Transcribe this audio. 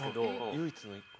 唯一の１個？